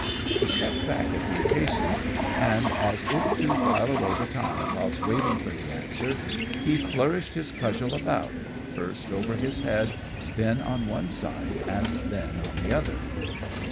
He stepped back a few paces, and, as if to while away the time whilst waiting for the answer, he flourished his cudgel about, first over his head, then on one side and then on the other.